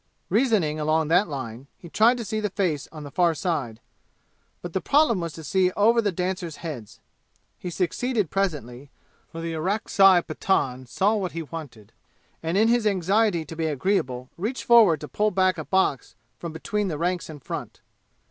Reasoning along that line, he tried to see the face on the far side, but the problem was to see over the dancers' heads. He succeeded presently, for the Orakzai Pathan saw what he wanted, and in his anxiety to be agreeable, reached forward to pull back a box from between the ranks in front.